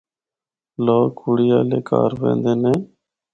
لوک کڑی آلے کہار ویندے نے۔